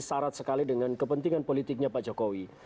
syarat sekali dengan kepentingan politiknya pak jokowi